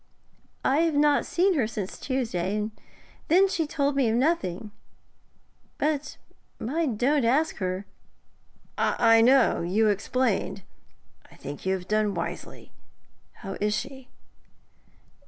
I have not seen her since Tuesday, and then she told me of nothing. But I don't ask her.' 'I know you explained. I think you have done wisely. How is she?'